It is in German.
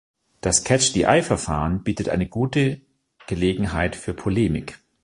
Das "catch the eye"Verfahren bietet eine gute Gelegenheit für Polemik.